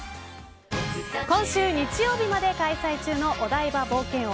今週日曜日まで開催中のお台場冒険王